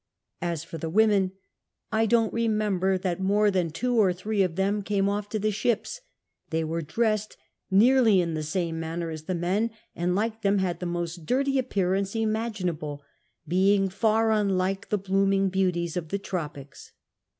As for the ^vomen, — "I don't remember that more than two or three of them came oflf to the ships ; they wore dressed nearly in the same manner as the men, and like them had the most dirty appearance imaginable; being far unlike the blooming beauties of the tropics."